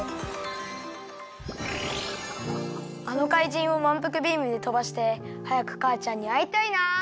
あのかいじんをまんぷくビームでとばしてはやくかあちゃんにあいたいな。